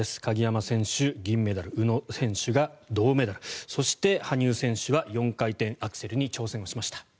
鍵山選手、銀メダル宇野選手が銅メダルそして、羽生選手は４回転アクセルに挑戦しました。